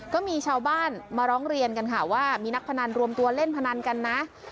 ก็มีชาวบ้านมาร้องเรียนกันค่ะว่ามีนักพนันรวมตัวเล่นพนันกันนะ